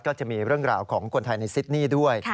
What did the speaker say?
ก็จะมีเรื่องราวของคนไทยในซิดนี่ด้วย